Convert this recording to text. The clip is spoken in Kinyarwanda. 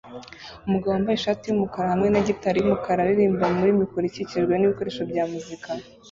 Umugabo wambaye ishati yumukara hamwe na gitari yumukara aririmba muri mikoro ikikijwe nibikoresho bya muzika